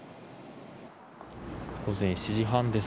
午前７時半です。